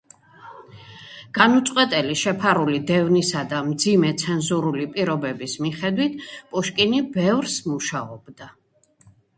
განუწყვეტელი შეფარული დევნისა და მძიმე ცენზურული პირობების მიხედვით, პუშკინი ბევრს მუშაობდა.